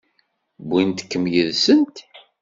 Wwint-kem yid-sent?